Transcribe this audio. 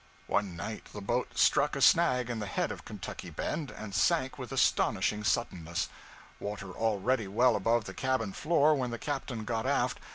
One night the boat struck a snag in the head of Kentucky Bend, and sank with astonishing suddenness; water already well above the cabin floor when the captain got aft.